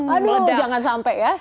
aduh jangan sampai ya